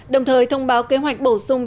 đồng thời thông báo kế hoạch bổ sung